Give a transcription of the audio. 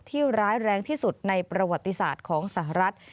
ร้ายแรงที่สุดในประวัติศาสตร์ของสหรัฐ